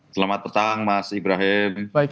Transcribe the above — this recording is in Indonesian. selamat petang mas ibrahim